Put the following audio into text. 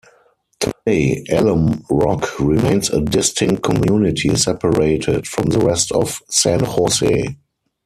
Today, Alum Rock remains a distinct community separated from the rest of San Jose.